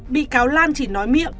bị cáo lan chỉ nói miệng